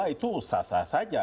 itu sasar saja